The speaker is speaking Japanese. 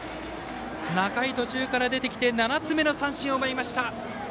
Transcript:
仲井、途中から出てきて７つ目の三振を奪いました。